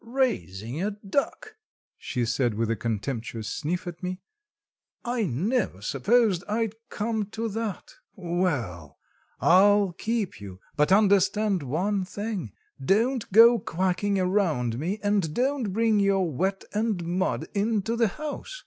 "Raising a duck," she said with a contemptuous sniff at me. "I never supposed I'd come to that. Well, I'll keep you, but understand one thing, don't go quacking around me, and don't bring your wet and mud into the house.